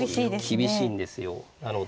厳しいんですよなので。